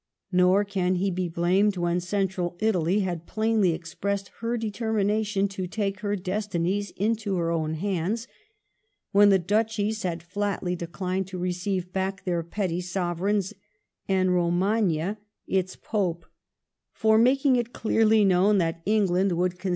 Nor can he be blamed, when Central Italy had plainly ex pressed her determination to take her destinies into her own hands, when the duchies had flatly declined to receive back their petty Sovereigns and Romagna its Pope, for making it clearly known that England would 13 •/ 196 LIFE OF VISCOUNT PALMEB8T0N.